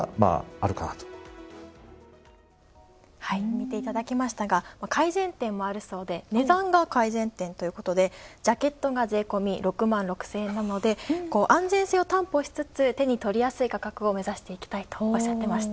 見ていただきましたが、改善点もあるそうで、値段が改善点ということで、ジャケットが税込み６６０００円なので安全性を担保しつつ手に取りやすい価格を目指していきたいとおっしゃっていました。